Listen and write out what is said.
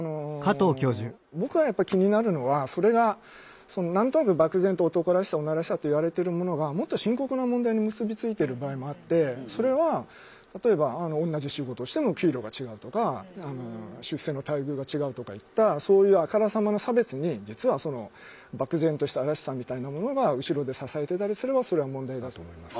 僕がやっぱり気になるのはそれが何となく漠然と男らしさ女らしさといわれてるものがもっと深刻な問題に結び付いてる場合もあってそれは例えば同じ仕事をしても給料が違うとか出世の待遇が違うとかいったそういうあからさまな差別に実は漠然とした「らしさ」みたいなものが後ろで支えてたりすればそれは問題だと思います。